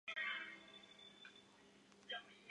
克林顿是一个位于美国阿肯色州范布伦县的城市。